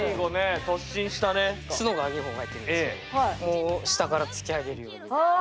ツノが２本生えてるんですけどもう下から突き上げるように。